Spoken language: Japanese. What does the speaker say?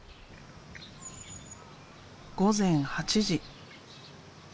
午前８時。